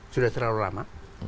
sudah terlalu lama